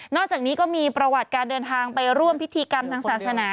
อกจากนี้ก็มีประวัติการเดินทางไปร่วมพิธีกรรมทางศาสนา